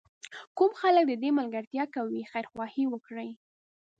کوم خلک د ده ملګرتیا کوي خیرخواهي وکړي.